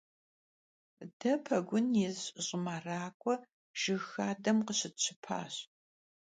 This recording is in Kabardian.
De pegun yiz ş'ımerak'ue jjıg xadem khışıtşıpaş.